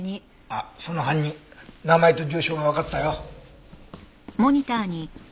あっその犯人名前と住所がわかったよ。